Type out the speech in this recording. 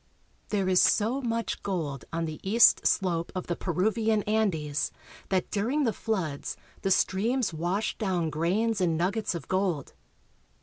There is so much gold on the east slope of the Peruvian An des that during the floods the streams wash down grains and nuggets of gold.